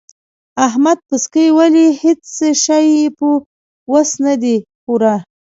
احمد پسکۍ ولي؛ هيڅ شی يې په وس نه دی پوره.